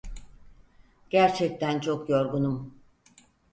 Gerçekten çok yorgunum.